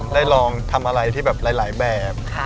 ได้ลองทำอะไรที่แบบหลายแบบ